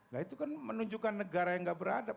nah itu kan menunjukkan negara yang gak beradab